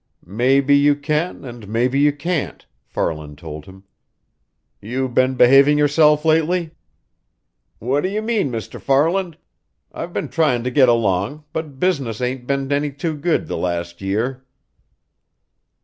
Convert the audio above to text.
"Maybe you can and maybe you can't," Farland told him. "You been behaving yourself lately?" "What do you mean, Mr. Farland? I've been trying to get along, but business ain't been any too good the last year."